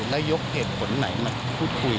แล้วยกเหตุผลไหนมาพูดคุย